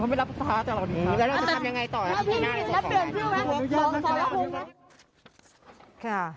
เพราะไม่รับภาพตลาดค่ะ